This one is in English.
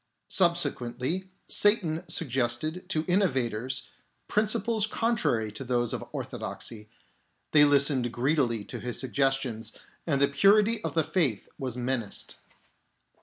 Subsequently, Satan suggested to inno vators principles contrary to those of orthodoxy ; they listened greedily to his suggestions, and the purity of the faith was menaced.